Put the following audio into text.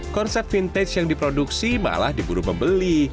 konsep vintage yang diproduksi malah diburu pembeli